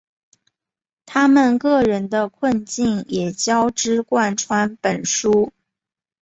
他们个人的困境也交织贯穿本书。